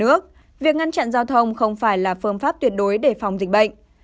nước việc ngăn chặn giao thông không phải là phương pháp tuyệt đối để phòng dịch bệnh